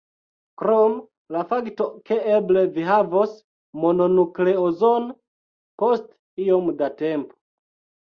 Krom la fakto ke eble vi havos mononukleozon post iom da tempo.